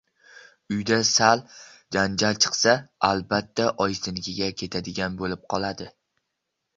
Uyida sal janjal chiqsa, albatta oyisinikiga “ketadigan” bo‘lib qoladi.